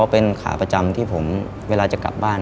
เป็นขาประจำที่ผมเวลาจะกลับบ้าน